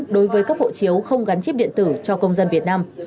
đối với cấp hộ chiếu không gắn chip điện tử cho công dân việt nam